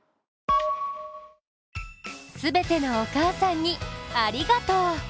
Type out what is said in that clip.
全てのお母さんにありがとう。